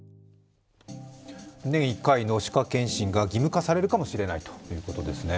年１回の歯科検診が義務化されるかもしれないということですね。